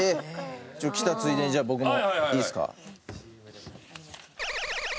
じゃあ来たついでに僕もいいですか？